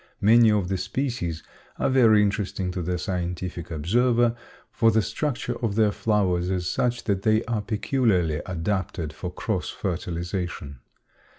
Many of the species are very interesting to the scientific observer, for the structure of their flowers is such that they are peculiarly adapted for cross fertilization.